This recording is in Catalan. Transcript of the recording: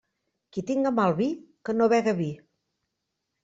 Qui tinga mal vi, que no bega vi.